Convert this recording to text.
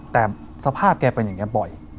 แต่สภาพแกเป็นอย่างนี้บ่อย